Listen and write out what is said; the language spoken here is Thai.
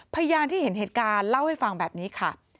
พยานที่เห็นเหตุการณ์เล่าให้ฟังแบบนี้ค่ะ